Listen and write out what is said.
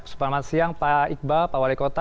selamat siang pak iqbal pak wali kota